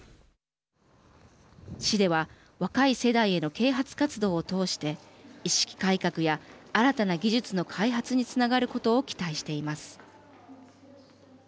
市では若い世代への啓発活動を通して意識改革や新たな技術の開発につながることを期待しています。